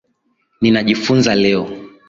ninajifunza leo